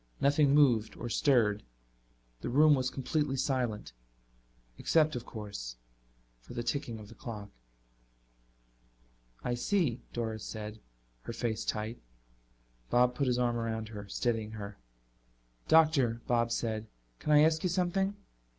Nothing moved or stirred. The room was completely silent, except, of course, for the ticking of the clock. "I see," Doris said, her face tight. Bob put his arm around her, steadying her. "Doctor," Bob said, "can I ask you something?"